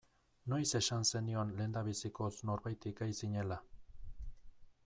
Noiz esan zenion lehendabizikoz norbaiti gay zinela.